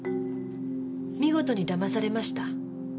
見事に騙されました。